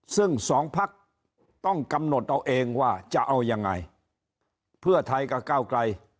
ซึ่งสองพักต้องกำหนดเอาเองว่าจะเอายังไงเพื่อไทยกับก้าวไกล